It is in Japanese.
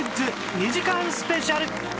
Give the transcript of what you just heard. ２時間スペシャル！